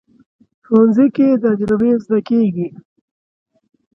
ښوونځی کې تجربې زده کېږي